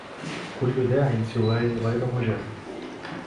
كل داع سواي غير مجاب